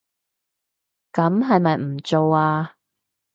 噉係咪唔做吖